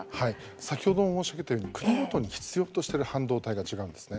先ほども申し上げたように国ごとに必要としている半導体が違うんですね。